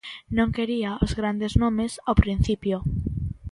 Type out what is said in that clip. Non quería os grandes nomes ao principio.